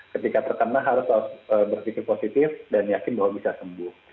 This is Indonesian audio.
ketika terkena harus berpikir positif dan yakin bahwa bisa sembuh